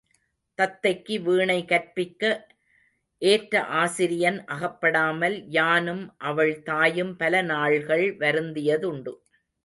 தத்தைக்கு வீணை கற்பிக்க ஏற்ற ஆசிரியன் அகப்படாமல் யானும் அவள் தாயும் பல நாள்கள் வருந்தியதுண்டு.